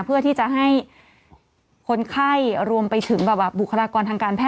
เพื่อที่จะให้คนไข้รวมไปถึงบุคลากรทางการแท